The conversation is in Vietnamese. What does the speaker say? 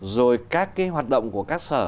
rồi các cái hoạt động của các sở